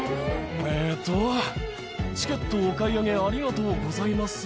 ええと、チケットお買い上げありがとうございます。